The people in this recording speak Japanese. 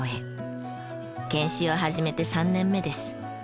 研修を始めて３年目です。